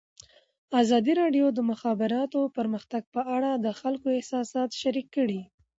ازادي راډیو د د مخابراتو پرمختګ په اړه د خلکو احساسات شریک کړي.